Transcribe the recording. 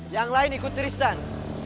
yang lain ikut tristan